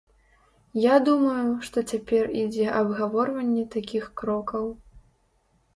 Я думаю, што цяпер ідзе абгаворванне такіх крокаў.